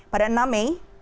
pada enam mei